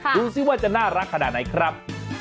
ดูสิว่าจะน่ารักขนาดไหนครับ